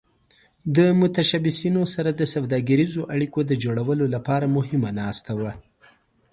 د متشبثینو سره د سوداګریزو اړیکو د جوړولو لپاره مهمه ناسته وه.